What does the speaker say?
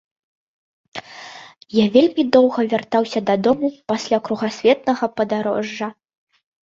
Я вельмі доўга вяртаўся дадому пасля кругасветнага падарожжа.